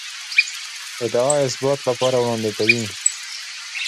ادعا اثبات لپاره وړاندې کوي.